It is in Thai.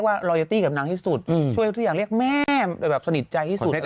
ก็มีนิดนิดเนี่ยเนาะ